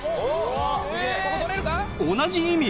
同じ意味。